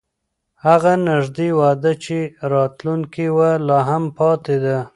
هغه نږدې وعده چې چا راکړې وه، لا هم پاتې ده.